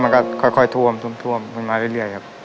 มันจะถ้วมมันมาเรื่อยครับ